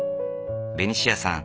ベニシアさん